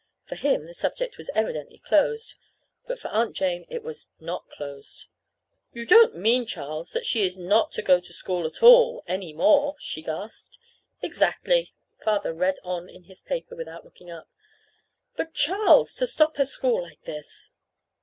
For him the subject was very evidently closed. But for Aunt Jane it was not closed. "You don't mean, Charles, that she is not to go to school at all, any more," she gasped. "Exactly." Father read on in his paper without looking up. "But, Charles, to stop her school like this!"